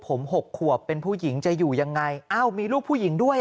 ผมหกขวบเป็นผู้หญิงจะอยู่ยังไงอ้าวมีลูกผู้หญิงด้วย